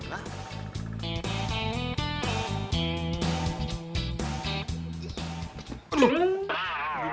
gue gak mau mal